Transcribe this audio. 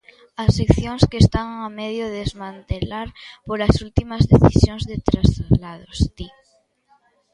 A seccións que están a medio desmantelar polas últimas decisións de traslados, di.